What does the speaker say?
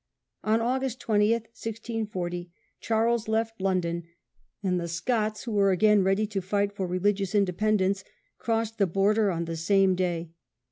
On August 20, 1640, Charles left London, and the Scots, who were again ready to fight for religious inde pendence, crossed the border on the same Second day.